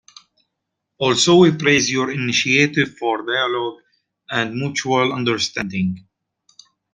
Also we praise your initiative for dialogue and mutual understanding.